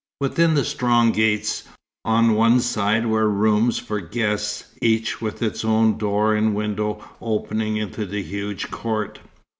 Within the strong gates, on one side were rooms for guests, each with its own door and window opening into the huge court.